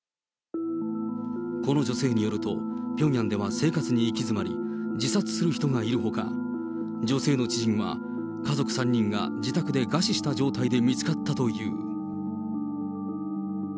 この女性によると、ピョンヤンでは生活に行き詰まり、自殺する人がいるほか、女性の知人は、家族３人が自宅で餓死した状態で見つかったという。